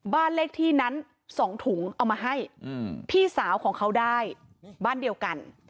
บ้านเลขที่นั้น๒ถุงเอามาให้พี่สาวของเขาได้บ้านเดียวกัน